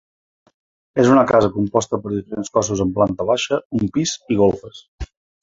És una casa composta per diferents cossos amb planta baixa, un pis i golfes.